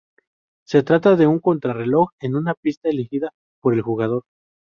Se trata de un contra reloj en una pista elegida por el jugador.